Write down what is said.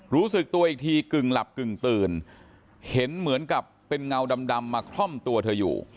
รู้สึกตัวอีกทีกึ่งหลับกึ่งตื่นเห็นเหมือนกับเป็นเงาดำมาคล่อมตัวเธออยู่